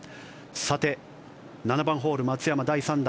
さて、７番ホール松山、第３打。